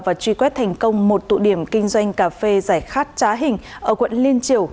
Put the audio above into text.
và truy quét thành công một tụ điểm kinh doanh cà phê giải khát trá hình ở quận liên triều